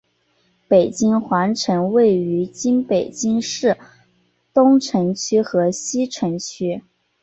北京皇城位于今北京市东城区和西城区。